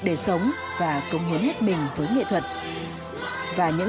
để sống tốt hơn